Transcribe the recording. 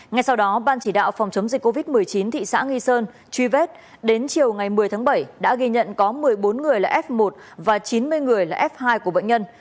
ngay sau đó ban chỉ đạo phòng chống dịch covid một mươi chín thị xã nghi sơn truy vết đến chiều ngày một mươi tháng bảy đã ghi nhận có một mươi bốn người là f một và chín mươi người là f hai của bệnh nhân